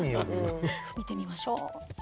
見てみましょう。